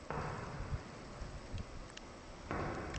এটি যদি আমাদের ক্রয়ক্ষমতার মধ্যে থাকে, তবে অবশ্যই আমরা গ্রহণ করব।